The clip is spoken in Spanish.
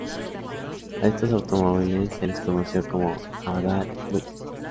A estos automóviles se les conoció como Abadal-Buicks.